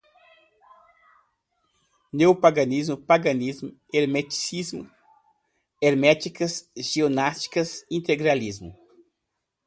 Neopaganismo, paganismo, hermetismo, herméticas, gnósticas, integralismo